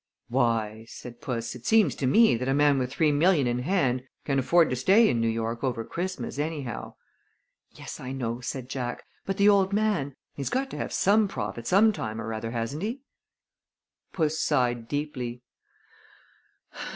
"Why," said puss, "it seems to me that a man with three million in hand can afford to stay in New York over Christmas, anyhow." "Yes, I know," said Jack. "But the old man he's got to have some profit some time or other, hasn't he?" Puss sighed deeply.